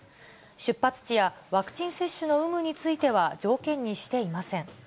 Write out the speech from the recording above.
出発地やワクチン接種の有無については、条件にしていません。